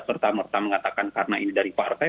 serta merta mengatakan karena ini dari partai